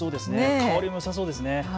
香りもよさそうですね。